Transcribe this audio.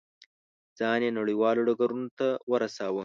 ځان یې نړیوالو ډګرونو ته ورساوه.